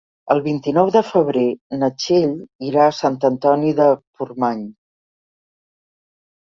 El vint-i-nou de febrer na Txell irà a Sant Antoni de Portmany.